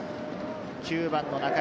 ９番の中山。